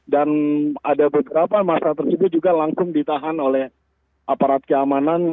dan ada beberapa masa tersebut juga langsung ditahan oleh aparat keamanan